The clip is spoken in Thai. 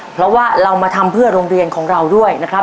เพราะว่าเรามาทำเพื่อโรงเรียนของเราด้วยนะครับ